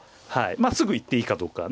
まあすぐ行っていいかどうかはね